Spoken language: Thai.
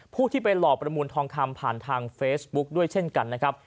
ผู้ที่ไปหลอกประมูลทองคำผ่านทางเฟซบุ๊กด้วยเช่นกันนะครับ